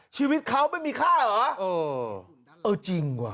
ชีวิตเขาไม่มีค่าเหรอเออจริงว่ะ